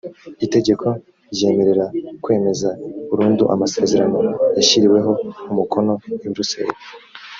itegeko ryemerera kwemeza burundu amasezerano yashyiriweho umukono i buruseli